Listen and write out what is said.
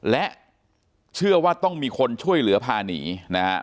และเชื่อว่าต้องมีคนช่วยเหลือพาหนีนะฮะ